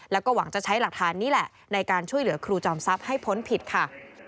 แล้วก็หวังจะใช้หลักฐานนี้แหละในการช่วยเหลือครูจอมทรัพย์ให้พ้นผิดค่ะ